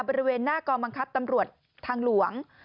บริเวณหน้ากองบังคับตำรวจทางหลวง